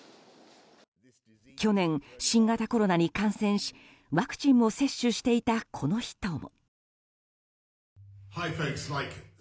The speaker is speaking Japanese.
去年、新型コロナに感染しワクチンも接種していたこの人も。